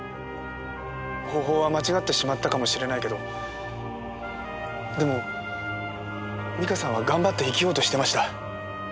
方法は間違ってしまったかもしれないけどでも実花さんは頑張って生きようとしてました。